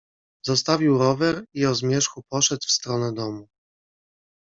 "Zostawił rower i o zmierzchu poszedł w stronę domu."